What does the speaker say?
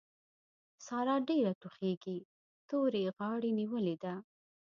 سارا ډېره ټوخېږي؛ تورې غاړې نيولې ده.